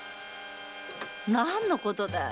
何のことだい？